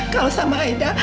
kalau sama aida